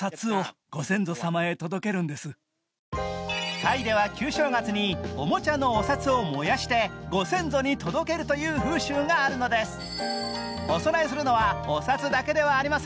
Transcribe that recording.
タイでは旧正月に、おもちゃのお札を燃やしてご先祖に届けるという風習があるのです。